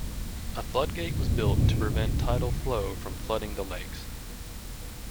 A floodgate was built to prevent tidal flow from flooding the lakes.